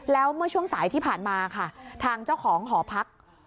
แล้วเมื่อช่วงสายที่ผ่านมาค่ะทางเจ้าของหอพัก